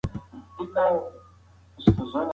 آیا د اصفهان خزانه به د افغانانو لاس ته ورشي؟